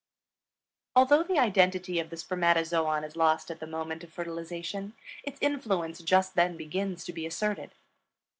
Although the identity of the spermatozoon is lost at the moment of fertilization, its influence just then begins to be asserted.